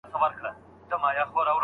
ایا استاد د څېړني ماخذونه ورته وښودل؟